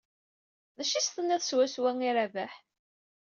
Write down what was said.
D acu i s-tenniḍ swaswa i Rabaḥ?